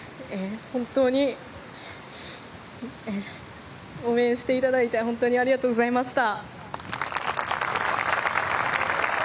本当に応援していただいて本当にありがとうございました。